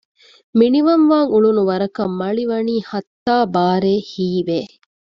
މިނިވަންވާން އުޅުނު ވަރަކަށް މަޅި ވަނީ ހައްތާ ބާރޭ ހީވެ